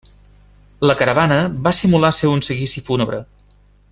La caravana va simular ser un seguici fúnebre.